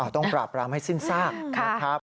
ต้องปราบรามให้สิ้นซากนะครับ